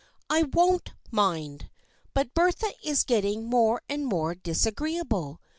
" I won't mind. But Bertha is getting more and more disagreeable.